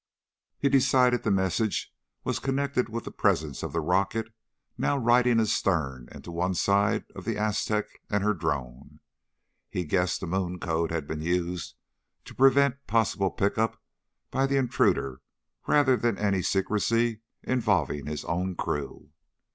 He decided the message was connected with the presence of the rocket now riding astern and to one side of the Aztec and her drone. He guessed the Moon Code had been used to prevent possible pickup by the intruder rather than any secrecy involving his own crew.